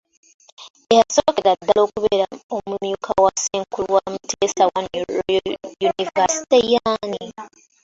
Eyasookera ddala okubeera omumyuka wa ssenkulu wa Muteesa I Royal University y’ani?